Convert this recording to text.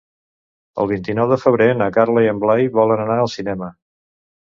El vint-i-nou de febrer na Carla i en Blai volen anar al cinema.